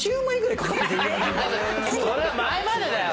それは前までだよ。